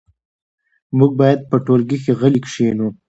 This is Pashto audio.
موږ باید په ټولګي کې غلي کښېنو.